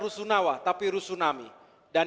rusunawa tapi rusunami dan